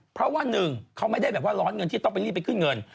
เพราะว่า๑เขาไม่ได้ร้อนเงินที่ต้องรีบขึ้นเงิน